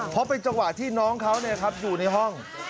เพราะเป็นจังหวะที่น้องเขาอยู่ในห้อง